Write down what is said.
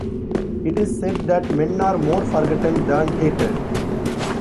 It is said that men are more forgotten than hated.